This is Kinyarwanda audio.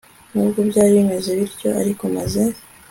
Nubwo byari bimeze bityo ariko maze